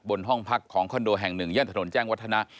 ห้องพักของคอนโดแห่งหนึ่งย่านถนนแจ้งวัฒนะ